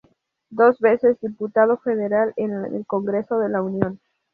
Dos veces diputado federal en el Congreso de la Unión.